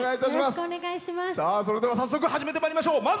それでは早速始めてまいりましょう。